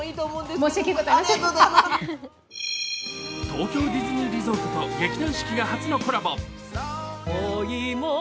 東京ディズニーリゾートと劇団四季が初のコラボ。